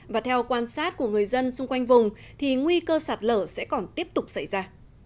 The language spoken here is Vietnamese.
và theo quan sát của người dân xung quanh vùng thì nguy cơ sạt lở sẽ còn tiếp tục xảy ra